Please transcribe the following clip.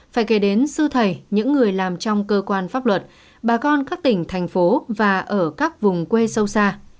phải kể đến sư thầy những người làm trong cơ quan pháp luật bà con các tỉnh thành phố và ở các vùng quê sâu xa